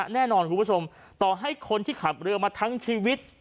แน่นอนคุณผู้ชมต่อให้คนที่ขับเรือมาทั้งชีวิต